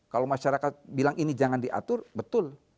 kalau masyarakat bilang ini jangan diatur betul